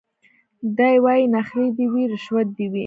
دی وايي نخرې دي وي رشوت دي وي